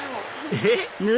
えっ？